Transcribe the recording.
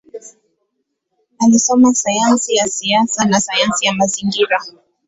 Alisoma sayansi ya siasa na sayansi ya mazingira.